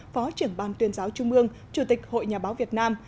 phó trưởng ban tuyên giáo trung ương chủ tịch hội nhà báo việt nam